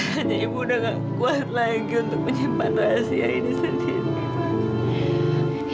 hanya ibu udah gak kuat lagi untuk menyimpan rahasia ini sendiri